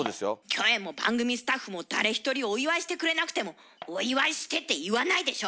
キョエも番組スタッフも誰一人お祝いしてくれなくても「お祝いして」って言わないでしょ？